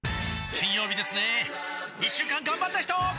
金曜日ですね一週間がんばった人！